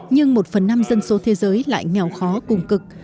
nhưng một phần năm dân số thế giới lại nghèo khó cùng cực